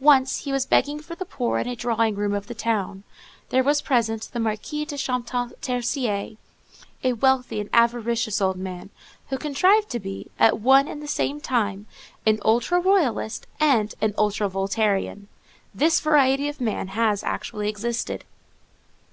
Once he was begging for the poor in a drawing room of the town; there was present the Marquis de Champtercier, a wealthy and avaricious old man, who contrived to be, at one and the same time, an ultra royalist and an ultra Voltairian. This variety of man has actually existed.